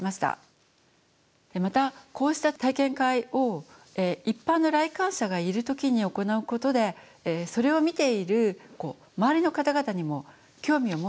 またこうした体験会を一般の来館者がいる時に行うことでそれを見ている周りの方々にも興味を持って頂けるのではないか。